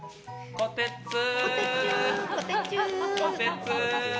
こてつー！